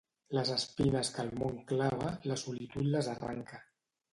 Les espines que el món clava, la solitud les arranca.